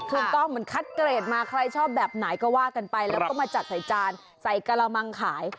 เหมือนคัดเกรดมาใครชอบแบบไหนก็ว่ากันไปแล้วก็มาจัดใส่จานใส่กระมังขาย